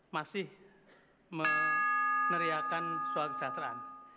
masih meneriakan soal kesejahteraan